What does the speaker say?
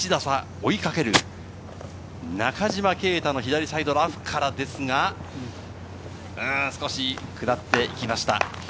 追いかける中島啓太の左サイド、ラフからですが、少し下っていきました。